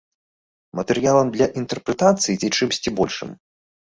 Матэрыялам для інтэрпрэтацый ці чымсьці большым?